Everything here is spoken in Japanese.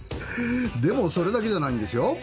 でもそれだけじゃないんですよ。